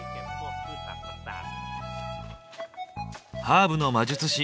ハーブの魔術師